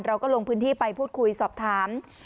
เราก็ลงพื้นที่ไปพูดคุยสอบถาม